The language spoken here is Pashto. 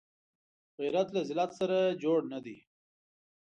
غیرت له ذلت سره جوړ نه دی